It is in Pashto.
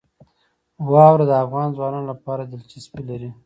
واوره د افغان ځوانانو لپاره دلچسپي لري.